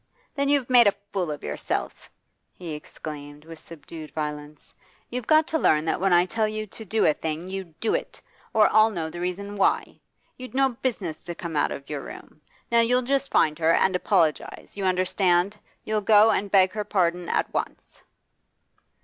'Then you've made a fool of yourself!' he exclaimed with subdued violence. 'You've got to learn that when I tell you to do a thing you do it or I'll know the reason why! You'd no business to come out of your room. Now you'll just find her and apologise. You understand? You'll go and beg her pardon at once.